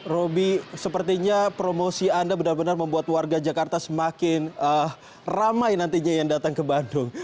roby sepertinya promosi anda benar benar membuat warga jakarta semakin ramai nantinya yang datang ke bandung